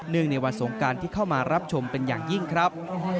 ในวันสงการที่เข้ามารับชมเป็นอย่างยิ่งครับ